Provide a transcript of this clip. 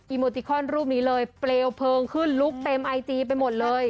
โมติคอนรูปนี้เลยเปลวเพลิงขึ้นลุกเต็มไอจีไปหมดเลย